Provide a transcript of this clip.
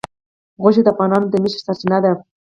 غوښې د افغانانو د معیشت سرچینه ده.